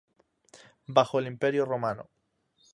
Bajo el Imperio Romano.